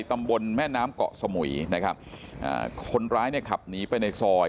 ตำบลแม่น้ำเกาะสมุยนะครับอ่าคนร้ายเนี่ยขับหนีไปในซอย